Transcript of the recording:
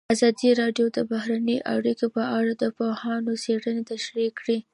ازادي راډیو د بهرنۍ اړیکې په اړه د پوهانو څېړنې تشریح کړې.